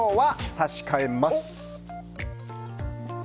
差し替えます！